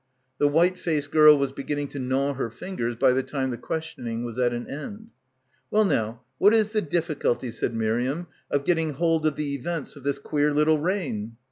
The white faced girl was beginning to gnaw her fingers by the time the questioning was at an end. "Well now, what is the difficulty, ,, said Miriam, "of getting hold of the events of this queer little reign?"